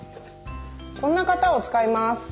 こんな型を使います。